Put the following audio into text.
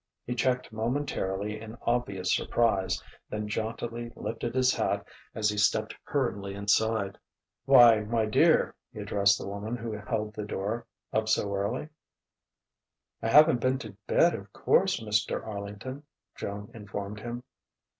He checked momentarily in obvious surprise, then jauntily lifted his hat as he stepped hurriedly inside. "Why, my dear!" he addressed the woman who held the door "up so early!" "I haven't been to bed, of course, Mr. Arlington," Joan informed him.